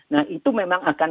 nah itu memang akan